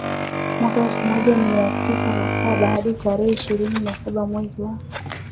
mwaka elfu moja mia tisa na saba hadi tarehe ishirini na saba mwezi wa